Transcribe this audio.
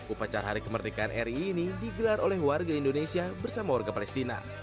upacara hari kemerdekaan ri ini digelar oleh warga indonesia bersama warga palestina